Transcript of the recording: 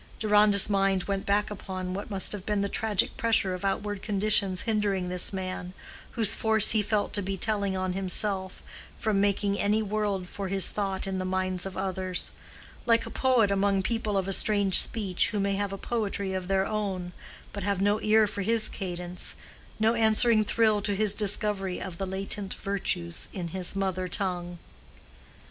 Deronda's mind went back upon what must have been the tragic pressure of outward conditions hindering this man, whose force he felt to be telling on himself, from making any world for his thought in the minds of others—like a poet among people of a strange speech, who may have a poetry of their own, but have no ear for his cadence, no answering thrill to his discovery of the latent virtues in his mother tongue.